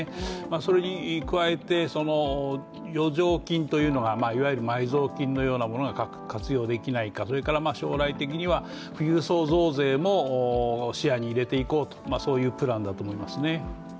それに加えて余剰金というのがいわゆる埋蔵金のようなものが活用できないか、それから将来的には富裕層増税も視野に入れていこうとそういうプランだと思いますね。